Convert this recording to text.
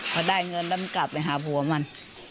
พอได้เงินแล้วมันกลับไปหาผัวมัน